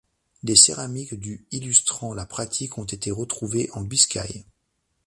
Des céramiques du illustrant la pratique ont été retrouvées en Biscaye.